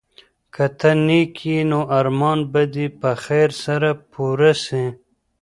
که ته نېک یې نو ارمان به دي په خیر سره پوره سي.